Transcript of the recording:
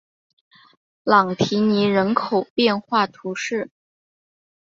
朗提尼人口变化图示